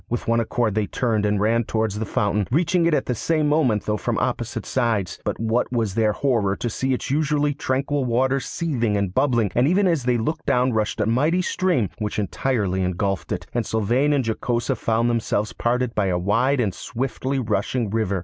With one accord they turned and ran towards the fountain, reaching it at the same moment, though from opposite sides. But what was their horror to see its usually tranquil waters seething and bubbling, and even as they looked down rushed a mighty stream, which entirely engulfed it, and Sylvain and Jocosa found themselves parted by a wide and swiftly rushing river.